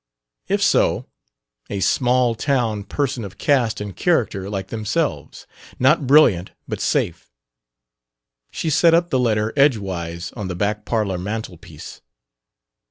If so, a "small town" person of caste and character like themselves; not brilliant, but safe. She set up the letter edgewise on the back parlor mantelpiece.